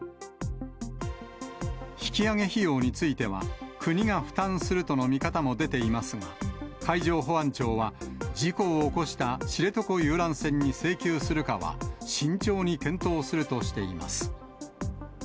引き揚げ費用については、国が負担するとの見方も出ていますが、海上保安庁は、事故を起こした知床遊覧船に請求するかは、慎重に検討するとしています。